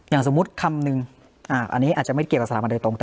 อย่างสมมติคำหนึ่งอันนี้อาจจะไม่เกี่ยวกับศาลประชาติมาตรงตรง